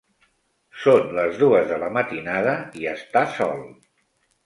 Són les dues de la matinada i està sol.